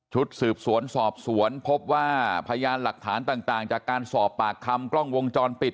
สืบสวนสอบสวนพบว่าพยานหลักฐานต่างจากการสอบปากคำกล้องวงจรปิด